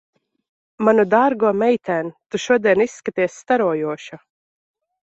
Manu dārgo meitēn, tu šodien izskaties starojoša.